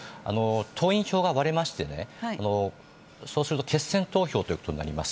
党員票が割れましてね、そうすると決選投票ということになります。